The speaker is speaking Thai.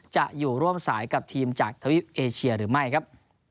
จะอยู่ร่วมสายกับทีมจากทวิปเอเชียหรือไม่ครับ